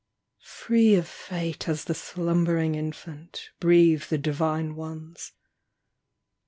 Free of fate as the slumbering Infant, breathe the divine ones.